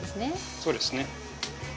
そうですね。